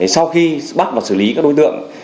sau khi bắt và xử lý các đối tượng